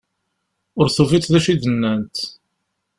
Ur tufiḍ d acu i d-nnant.